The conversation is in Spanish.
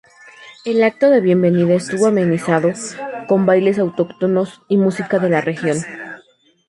El acto de bienvenida estuvo amenizado con bailes autóctonos y música de la región.